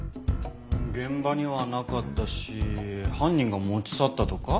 現場にはなかったし犯人が持ち去ったとか？